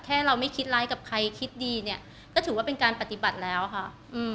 เราไม่คิดร้ายกับใครคิดดีเนี่ยก็ถือว่าเป็นการปฏิบัติแล้วค่ะอืม